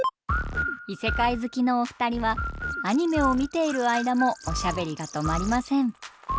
異世界好きのお二人はアニメを見ている間もおしゃべりが止まりません。